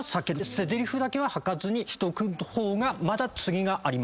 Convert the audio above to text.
捨てぜりふだけは吐かずにしとく方がまだ次があります。